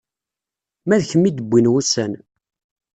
Ma d kemm i d-wwin wussan.